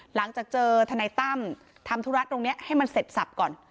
หลังจากเจอทนายตั้มทำธุระตรงนี้ให้มันเสร็จสับก่อน